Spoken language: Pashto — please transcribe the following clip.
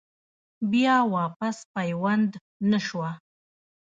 بيا واپس پيوند نۀ شوه ۔